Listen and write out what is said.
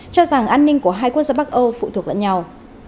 cho rằng an ninh của hai quốc gia bắc âu phụ thuộc lẫn nhau